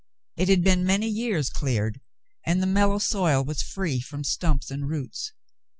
It had been many years cleared, and the mellow soil was free from stumps and roots.